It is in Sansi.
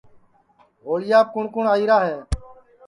ہوݪیاپ کُوٹؔ کُوٹؔ آئیرا ہے